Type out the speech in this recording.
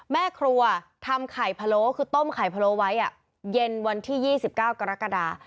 แม่ครัวทำไข่พะโล้คือต้มไข่พะโลไว้เย็นวันที่๒๙กรกฎา